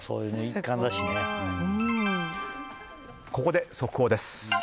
ここで速報です。